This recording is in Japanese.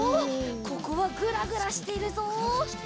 ここはグラグラしているぞ！